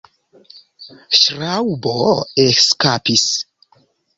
Ŝraŭbo eskapis.